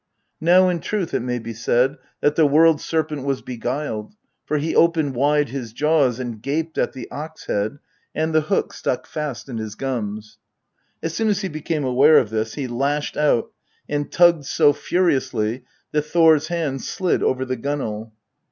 Now in truth, it may be said, that the World Serpent was beguiled, for he opened wide his jaws and gaped at the ox head, and the hook stuck fast in his gums. As soon as he became aware of this, he lashed out and tugged so furiously that Thor's hands slid over the gunwale.